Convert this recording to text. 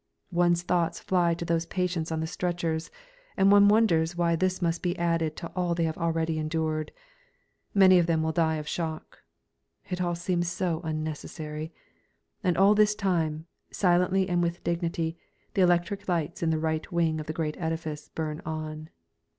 One's thoughts fly to those patients on the stretchers, and one wonders why this must be added to all they have already endured. Many of them will die of shock. It all seems so unnecessary. And all this time, silently and with dignity, the electric lights in the right wing of the great edifice burn on.